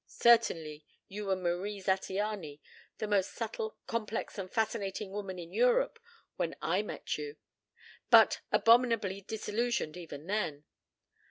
Certainly you were Marie Zattiany, the most subtle, complex, and fascinating woman in Europe when I met you but abominably disillusioned even then.